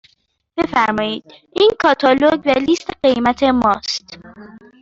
بفرمایید این کاتالوگ و لیست قیمت ماست.